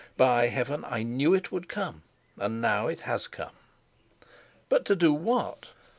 By heaven, I knew it would come, and now it has come!" "But to do what?"